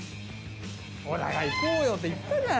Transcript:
ほら行こうよって言ったじゃん。